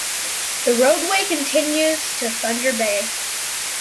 The roadway continues to Thunder Bay.